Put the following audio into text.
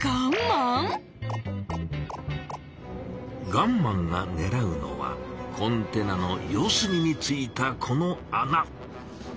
ガンマンがねらうのはコンテナの四すみについたこのあな。